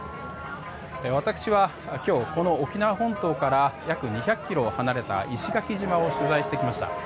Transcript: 私は沖縄本島から約２００ｋｍ離れた石垣島を取材してきました。